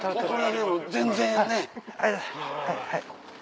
はいはい。